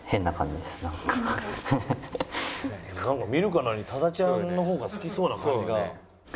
見るからに多田ちゃんの方が好きそうな感じが。